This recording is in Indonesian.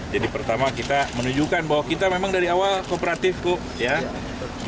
jadi pertama kita menunjukkan bahwa kita memang dari awal kooperatif kok